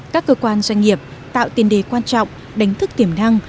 các cơ quan doanh nghiệp tạo tiền đề quan trọng đánh thức tiềm năng